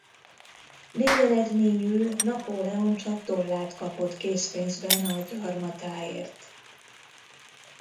Végeredményül Napóleon csak dollárt kapott készpénzben a gyarmatáért.